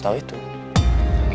apa yang kita lakukan